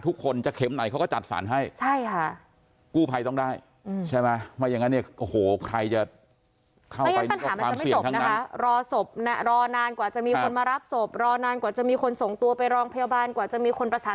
ทุกคนจะเข็มไหนเขาก็จัดสรรให้